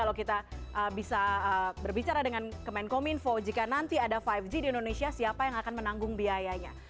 kalau kita bisa berbicara dengan kemenkominfo jika nanti ada lima g di indonesia siapa yang akan menanggung biayanya